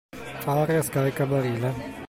Fare a scaricabarile.